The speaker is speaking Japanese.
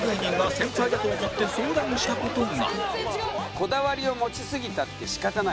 「こだわりを持ちすぎたって仕方ない」